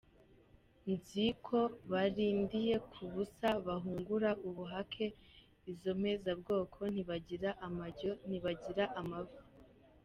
Nzi ko barindiye ku busa, bahungura ubuhake, izo mpeza-bwoko ntibagira amajyo, ntibagira amavu !